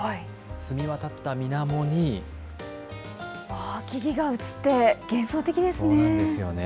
澄みわたったみなもに木々が映って幻想的ですね。